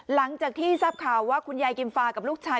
หลังจากที่ทราบข่าวว่าคุณยายกิมฟากับลูกชาย